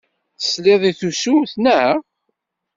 Tesliḍ i tusut, naɣ?